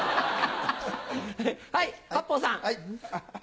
はい八方さん。